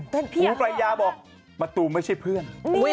จริงหรือเปล่าประยาบอกมัตตูมไม่ใช่เพื่อน